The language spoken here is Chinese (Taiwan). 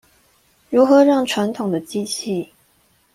如何讓傳統的機器